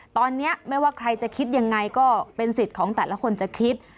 ตอนนี้ไม่ว่าใครจะคิดยังไงก็เป็นสิทธิ์ของแต่ละคนจะคิด